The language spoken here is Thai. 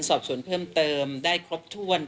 สอบสวนเพิ่มเติมได้ครบถ้วน